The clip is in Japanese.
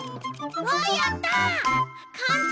わあやった！